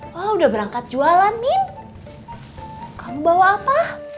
wah udah berangkat jualan min kamu bawa apa